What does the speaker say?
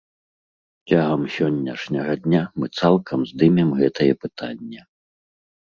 Цягам сённяшняга дня мы цалкам здымем гэтае пытанне.